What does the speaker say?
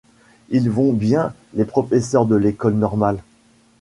Ils vont bien, les professeurs de l’École normale!